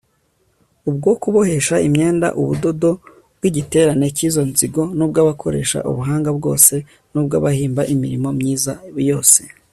ubwo kubohesha imyenda ubudodo bw'igiterane cy'izo nzigo n'ubw'abakoresha ubuhanga bwose n'ubw'abahimba imirimo myiza yose